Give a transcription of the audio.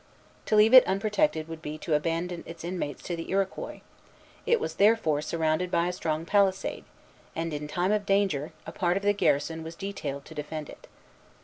To leave it unprotected would be to abandon its inmates to the Iroquois; it was therefore surrounded by a strong palisade, and, in time of danger, a part of the garrison was detailed to defend it.